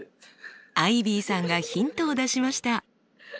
アイビーさんがヒントを出しました。